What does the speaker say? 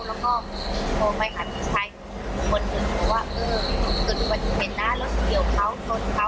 แล้วก็โทรไขไปไขรถอยรถผลแต่คืนก่อน